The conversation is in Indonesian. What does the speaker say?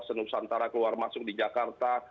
senusantara keluar masuk di jakarta